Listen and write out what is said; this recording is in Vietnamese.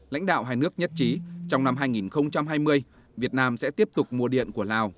lãnh đạo hai nước nhất trí trong năm hai nghìn hai mươi việt nam sẽ tiếp tục mua điện của lào